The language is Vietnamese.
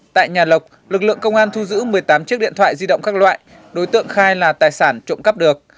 tại nhà lộc lực lượng công an thu giữ một mươi tám chiếc điện thoại di động các loại đối tượng khai là tài sản trộm cắp được